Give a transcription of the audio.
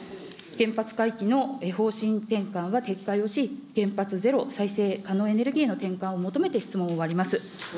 原発回帰の方針転換は撤回をし、原発ゼロ、再生可能エネルギーへの転換を求めて、質問を終わります。